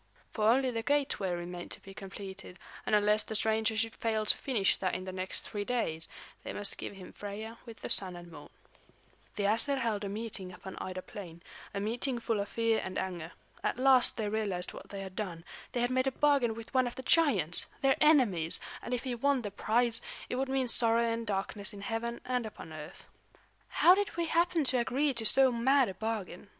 For only the gateway remained to be completed, and unless the stranger should fail to finish that in the next three days, they must give him Freia with the Sun and Moon. The Æsir held a meeting upon Ida Plain, a meeting full of fear and anger. At last they realized what they had done; they had made a bargain with one of the giants, their enemies; and if he won the prize, it would mean sorrow and darkness in heaven and upon earth. "How did we happen to agree to so mad a bargain?"